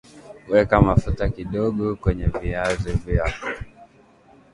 weka mafuta kidogo kwenye viazi vyako